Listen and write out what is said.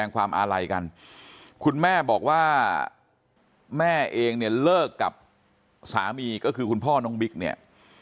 ความอาลัยกันคุณแม่บอกว่าแม่เองเนี่ยเลิกกับสามีก็คือคุณพ่อน้องบิ๊กเนี่ย